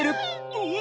うわ！